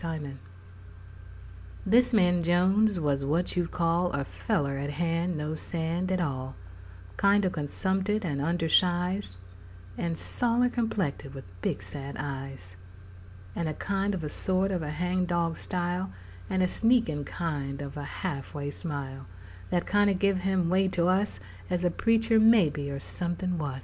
This Man Jones This man Jones was what you'd call A feller 'at had no sand at all: Kindo consumpted, and undersize, And saller complected, with big sad eyes, And a kind of a sort of a hang dog style, And a sneakin' kind of a half way smile That kindo give him away to us As a preacher, maybe, or sumpin' wuss.